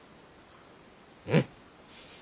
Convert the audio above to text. うん。